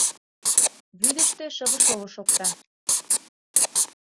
Вӱдыштӧ шыве-шово шокта...